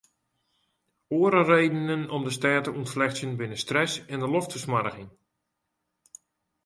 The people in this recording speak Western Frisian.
Oare redenen om de stêd te ûntflechtsjen binne stress en loftfersmoarging.